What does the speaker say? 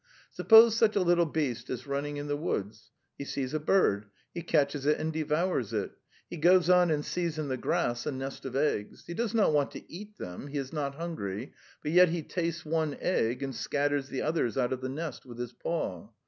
Suppose such a little beast is running in the woods. He sees a bird; he catches it and devours it. He goes on and sees in the grass a nest of eggs; he does not want to eat them he is not hungry, but yet he tastes one egg and scatters the others out of the nest with his paw.